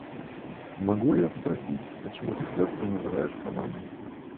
Могу я спросить, почему ты кепку называешь панамой?